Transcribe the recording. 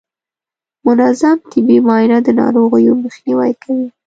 منظم طبي معاینه د ناروغیو مخنیوی کوي.